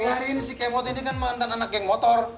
biarin si kemo tuh ini kan mantan anak yang motor